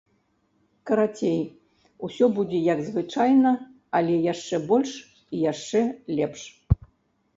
Карацей, усё будзе як звычайна, але яшчэ больш і яшчэ лепш.